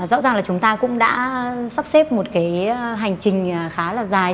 rõ ràng là chúng ta cũng đã sắp xếp một cái hành trình khá là dài